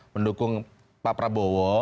mendukung pak prabowo